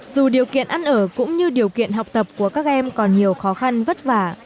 dù điều kiện ăn ở cũng như điều kiện học tập của các em còn nhiều khó khăn vất vả